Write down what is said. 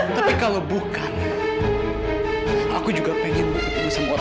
tapi kalau bukan aku juga pengen bertemu sama orang tua aku